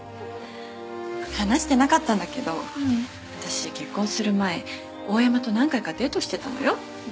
話してなかったんだけど私結婚する前大山と何回かデートしてたのよ。